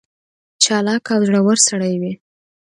چالاک او زړه ور سړی وي.